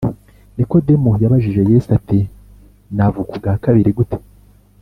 nikodemu yabajije yesu ati navuka ubwa kabiri gute